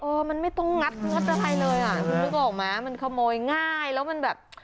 เออมันไม่ต้องงัดอะไรเลยอ่ะคุณพึ่งออกมั้ยมันขโมยง่ายแล้วมันแบบ